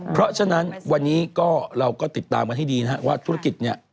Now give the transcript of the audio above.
เพราะฉะนั้นวันนี้ก็เราก็ติดตามกันให้ดีนะครับว่าธุรกิจเนี่ย